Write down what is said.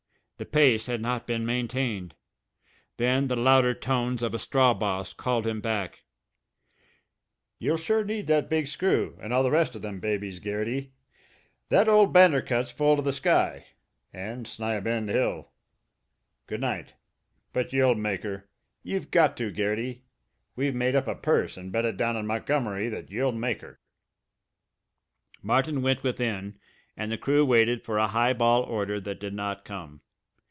The pace had not been maintained. Then the louder tones of a straw boss called him back: "You'll sure need that big screw and all the rest of them babies, Garrity. That ole Bander Cut's full to the sky and Sni a bend Hill! Good night! But you'll make 'er. You've got to, Garrity; we've made up a purse an' bet it down in Montgomery that you'll make 'er!" Martin went within and the crew waited for a high ball order that did not come.